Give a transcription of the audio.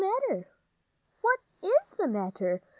"What's the matter?"